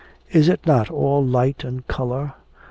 'Is it not all light and colour?